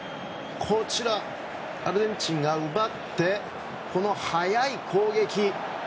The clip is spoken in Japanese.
アルゼンチンが奪ってこの速い攻撃。